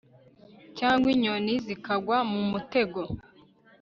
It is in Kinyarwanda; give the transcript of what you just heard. cyangwa inyoni zikagwa mu mutego